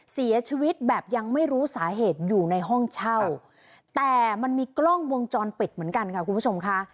เสียชีวิตแบบยังไม่รู้สาเหตุอยู่ในห้องเช่าแต่มันมีกล้องวงจรปิดเหมือนกันค่ะคุณผู้ชมค่ะ